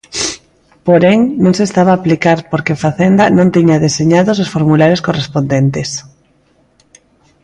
Porén, non se estaba a aplicar porque Facenda non tiña deseñados os formularios correspondentes.